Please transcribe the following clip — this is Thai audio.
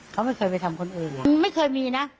เขาไม่เคยไปทำคนอื่นไม่เคยมีนะ